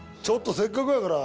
せっかくやから。